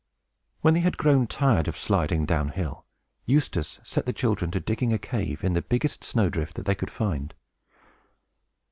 When they had grown tired of sliding down hill, Eustace set the children to digging a cave in the biggest snow drift that they could find.